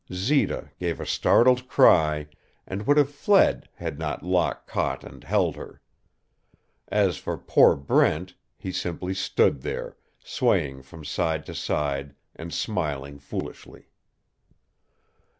Zita gave a startled cry, and would have fled had not Locke caught and held her. As for poor Brent, he simply stood there, swaying from side to side and smiling foolishly.